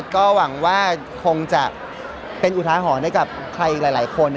ก็หวังว่าคงจะเป็นอุทาหรณ์ให้กับใครอีกหลายคน